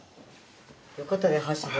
よかったね箸。